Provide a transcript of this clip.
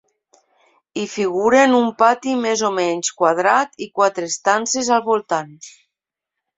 Hi figuren un pati més o menys quadrat i quatre estances al voltant.